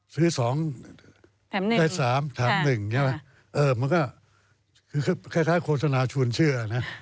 ซื้อสองได้สามถามหนึ่งอย่างนี้แหละเออมันก็คือคล้ายโฆษณาชวนเชื่อนะ